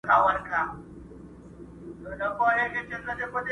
زما دي وینه تر هغه زلمي قربان سي٫